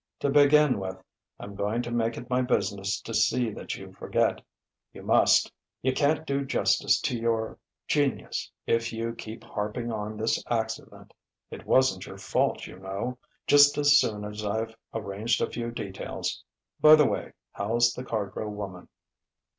"To begin with, I'm going to make it my business to see that you forget. You must. You can't do justice to your genius, if you keep harping on this accident. It wasn't your fault, you know. Just as soon as I've arranged a few details.... By the way, how's the Cardrow woman?"